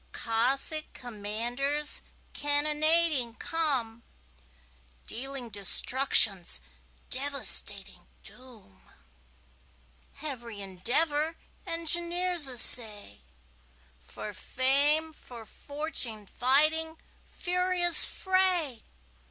Cossack commanders cannonading come, Dealing destruction's devastating doom. Every endeavor engineers essay, For fame, for fortune fighting furious fray!